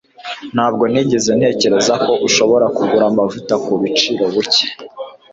Ntabwo nigeze ntekereza ko ushobora kugura amavuta kubiciro buke.